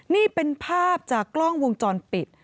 นี่เป็นภาพจากกล้องวงจรปิด